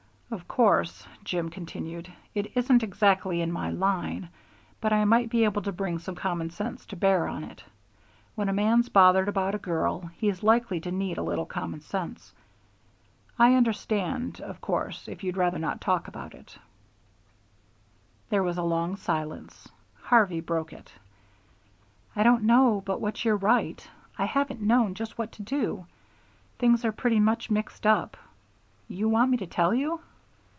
"Of course," Jim continued, "it isn't exactly in my line, but I might be able to bring some common sense to bear on it. When a man's bothered about a girl, he's likely to need a little common sense. I understand of course if you'd rather not talk about it " There was a long silence. Harvey broke it. "I don't know but what you're right. I haven't known just what to do. Things are pretty much mixed up. You want me to tell you?"